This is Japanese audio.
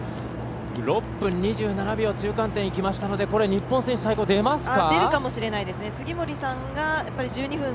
６分２７秒中間点、出ましたのでこれ、日本選手、最高出ますか。